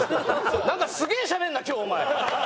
なんかすげえしゃべるな今日お前。